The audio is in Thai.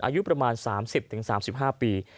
อายุประมาณ๓๐๓๕ปี